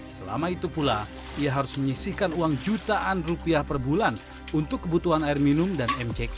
selama itu pula ia harus menyisihkan uang jutaan rupiah per bulan untuk kebutuhan air minum dan mck